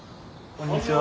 こんにちは。